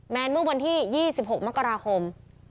แมนเมื่อวันที่ยี่สิบหกมักราคม